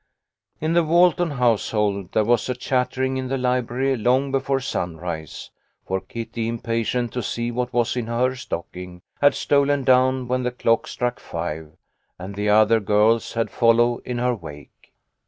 In the Walton household there was a chattering in the library long before sunrise, for Kitty, impatient to see what was in her stocking, had stolen down when the clock struck five, and the other girls had followed in her wake.